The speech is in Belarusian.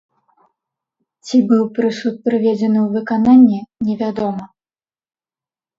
Ці быў прысуд прыведзены ў выкананне, невядома.